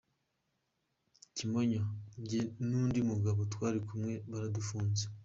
Kimonyo: Njye n’undi mugabo twari kumwe baradufunze.